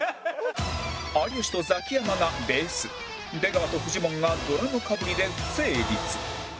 有吉とザキヤマがベース出川とフジモンがドラムかぶりで不成立